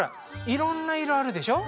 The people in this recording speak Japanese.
いろんな色あるでしょ。